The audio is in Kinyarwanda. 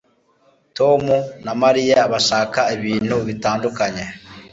Tom na Mariya bashaka ibintu bitandukanye